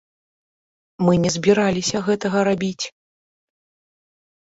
Мы не збіраліся гэтага рабіць.